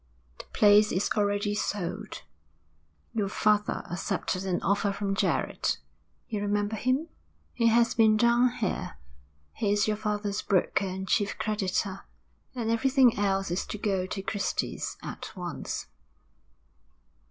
'The place is already sold. Your father accepted an offer from Jarrett you remember him, he has been down here; he is your father's broker and chief creditor and everything else is to go to Christy's at once.'